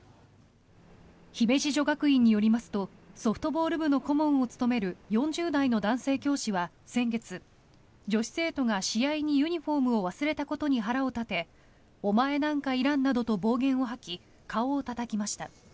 姫路女学院によりますとソフトボール部の顧問を務める４０代の男性教師は先月女子生徒が、試合にユニホームを忘れたことに腹を立てお前なんかいらんなどと暴言を吐き顔をたたきました。